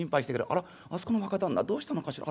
『あらあそこの若旦那どうしたのかしら』。